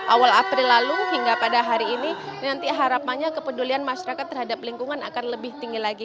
awal april lalu hingga pada hari ini nanti harapannya kepedulian masyarakat terhadap lingkungan akan lebih tinggi lagi